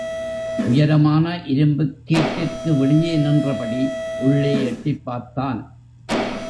உயரமான இரும்பு கேட்டிற்கு வெளியே நின்றபடி உள்ளே எட்டிப் பார்த்தான்.